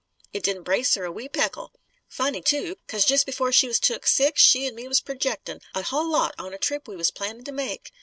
It didn't brace her, a wee peckle. Funny, too! 'Cause jest before she was took sick, she an' me was projectin', a hull lot, on a trip we was plannin' to make.